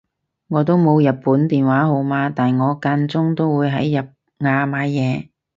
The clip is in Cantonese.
我都冇日本電話號碼但我間中都會喺日亞買嘢